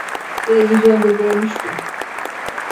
Televizyonda görmüştüm.